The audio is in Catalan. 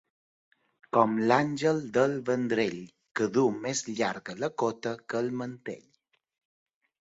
Com l'Àngel del Vendrell, que duu més llarga la cota que el mantell.